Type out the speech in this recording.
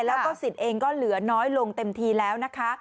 แล้วก็สิทธิ์เองก็เหลือน้อยลงเต็มทีแล้วนะคะ